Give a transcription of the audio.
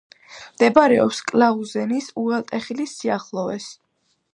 მდებარეობს კლაუზენის უღელტეხილის სიახლოვეს.